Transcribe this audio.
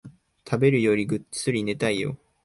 食べるよりぐっすり寝たいよ